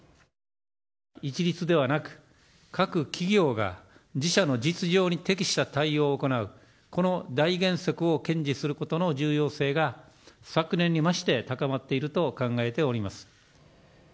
一律ではなく、各企業が自社の実情に適した対応を行う、この大原則を堅持することの重要性が、昨年に増して高まっていると考えております。